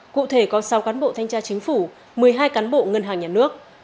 cụ thể có sáu cán bộ thanh tra chính phủ một mươi hai cán bộ ngân hàng nhà nước